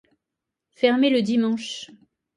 Fermé le dimanche.